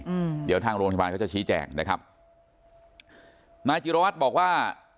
อืมเดี๋ยวทางโรงพยาบาลเขาจะชี้แจงนะครับนายจิรวัตรบอกว่า